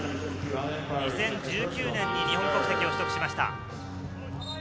２０１９年に日本国籍を取得しました。